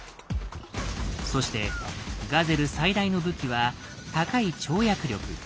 そしてガゼル最大の武器は高い跳躍力。